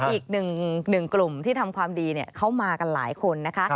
อีกหนึ่งกลุ่มที่ทำความดีเขามากันหลายคนนะคะ